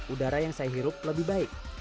udara yang saya hirup lebih baik